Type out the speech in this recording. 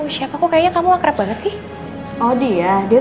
siap aku kayak kamu akrab banget sih oh dia dia